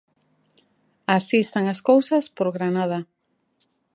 Así están as cousas por Granada.